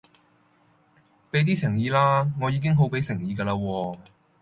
俾啲誠意啦，我已經好俾誠意㗎啦喎